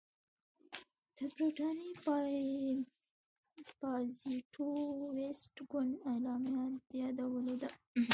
د برټانیې پازیټویسټ ګوند اعلامیه د یادولو ده.